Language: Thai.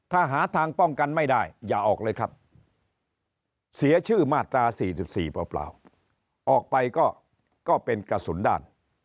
ถ้าหาทางป้องกันไม่ได้อย่าออกเลยครับเสียชื่อมาตรา๔๔เปล่าออกไปก็เป็นกระสุนด้าน